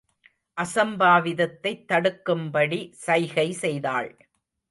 அசம்பாவிதத்தைத் தடுக்கும்படி சைகை செய்தாள்.